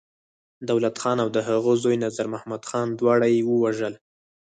دولت خان او د هغه زوی نظرمحمد خان، دواړه يې ووژل.